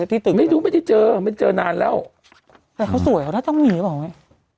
ที่ตึกไม่รู้ไม่ได้เจอไม่เจอนานแล้วแต่เขาสวยแล้วแล้วต้องมีหรือเปล่าไหม